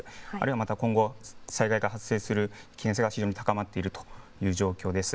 あるいはまた今後、災害が発生する危険性が非常に高まっているという状況です。